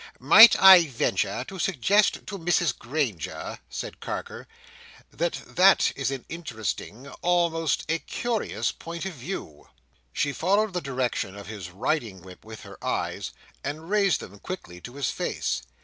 "Might I venture to suggest to Mrs Granger," said Carker, "that that is an interesting—almost a curious—point of view?" She followed the direction of his riding whip with her eyes, and raised them quickly to his face.